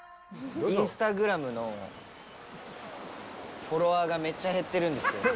インスタグラムのフォロワーがめっちゃ減ってるんですよ。